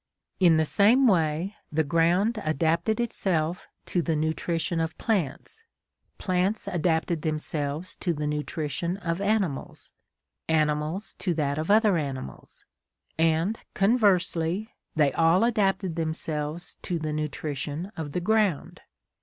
In the same way the ground adapted itself to the nutrition of plants, plants adapted themselves to the nutrition of animals, animals to that of other animals, and conversely they all adapted themselves to the nutrition of the ground.